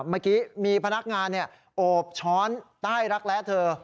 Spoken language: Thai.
เมื่อกี้มีพนักงานโอบช้อนใต้รักแร้เธอ